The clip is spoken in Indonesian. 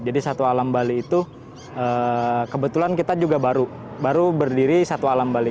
jadi satwa alam bali itu kebetulan kita juga baru baru berdiri satwa alam bali